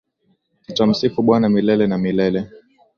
Tutamsifu bwana milele na milele